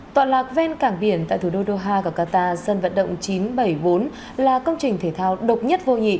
toàn lạc ven cảng biển tại thủ đô doha của qatar sân vận động chín trăm bảy mươi bốn là công trình thể thao độc nhất vô nhị